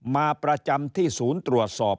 มาประจำที่ศูนย์ตรวจสอบ